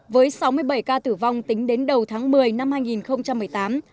với sáu mươi bảy ca tử vong tính đến đầu tháng một mươi năm hai nghìn một mươi tám